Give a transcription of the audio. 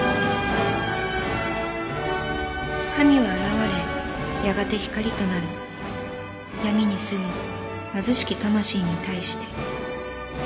「神は現れやがて光となる」「闇に住む貧しき魂に対して」